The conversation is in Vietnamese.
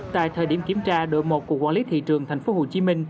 tại thời điểm kiểm tra đội một của quản lý thị trường tp hcm